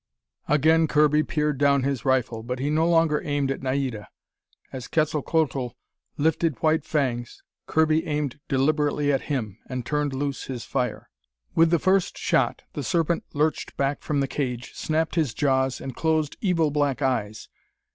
Again Kirby peered down his rifle. But he no longer aimed at Naida. As Quetzalcoatl lifted white fangs, Kirby aimed deliberately at him, and turned loose his fire. With the first shot, the Serpent lurched back from the cage, snapped his jaws, and closed evil, black eyes.